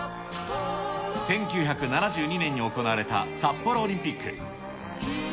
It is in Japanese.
１９７２年に行われた札幌オリンピック。